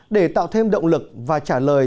để tạo thêm động lực và trả lời